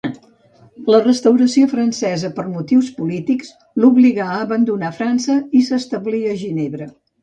La Restauració francesa per motius polítics l'obligà a abandonar França, i s'establí a Ginebra.